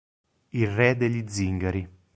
Il re degli zingari